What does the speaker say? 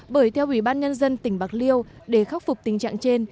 bởi theo ủy ban nhân dân tỉnh bạc liêu để khắc phục tình trạng trên